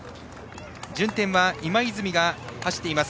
順天は今泉が走っています。